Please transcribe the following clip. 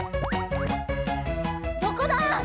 どこだ！